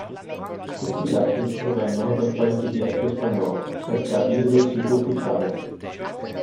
Questi dati provengono dal file pdf spagnolo scaricabile dal sito ufficiale.